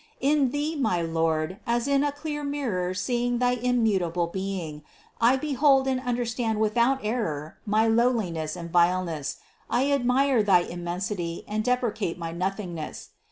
In Thee, my Lord, as in a clear mirror seeing thy immutable being, I behold and understand without error my lowliness and vileness, I admire thy immensity and deprecate my noth ingness.